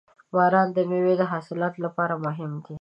• باران د میوو د حاصلاتو لپاره مهم دی.